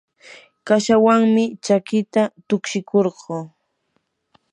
kashawanmi chakita tukshikurquu.